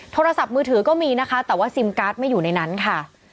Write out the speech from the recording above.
โทรศัพท์มือถือก็มีนะคะแต่ว่าซิมการ์ดไม่อยู่ในนั้นค่ะ